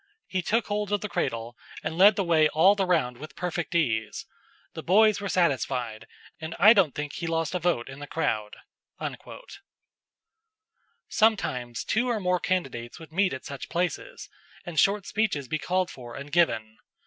He took hold of the cradle, and led the way all the round with perfect ease. The boys were satisfied, and I don't think he lost a vote in the crowd." Sometimes two or more candidates would meet at such places, and short speeches be called for and given.